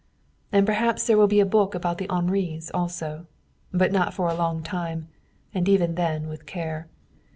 And perhaps there will be a book about the Henris, also. But not for a long time, and even then with care.